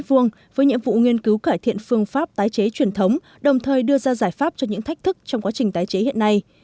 với nhiệm vụ nghiên cứu cải thiện phương pháp tái chế truyền thống đồng thời đưa ra giải pháp cho những thách thức trong quá trình tái chế hiện nay